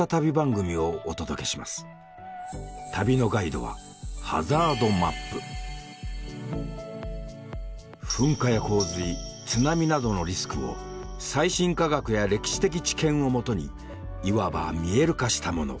旅のガイドは噴火や洪水津波などのリスクを最新科学や歴史的知見をもとにいわば「見える化」したもの。